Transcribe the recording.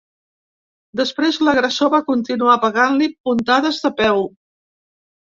Després, l’agressor va continuar pegant-li puntades de peu.